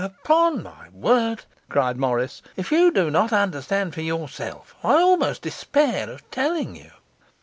'Upon my word,' cried Morris, 'if you do not understand for yourself, I almost despair of telling you.